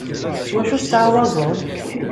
S wacu tettɛawazeḍ?